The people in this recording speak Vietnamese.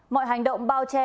mọi hành động bao che